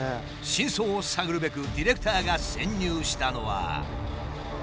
真相を探るべくディレクターが潜入したのは。